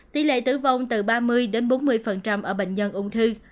tỷ lệ tử vong từ ba mươi đến bốn mươi ở bệnh nhân ung thư